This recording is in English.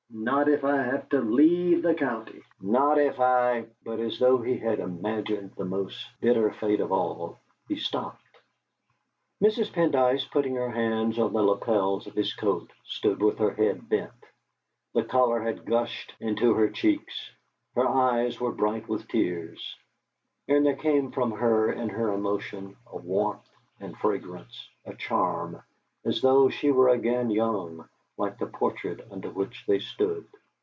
Not if I have to leave the county not if I " But, as though he had imagined the most bitter fate of all, he stopped. Mrs. Pendyce, putting her hands on the lapels of his coat, stood with her head bent. The colour had gushed into her cheeks, her eyes were bright with tears. And there came from her in her emotion a warmth and fragrance, a charm, as though she were again young, like the portrait under which they stood.